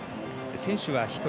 選手は１人。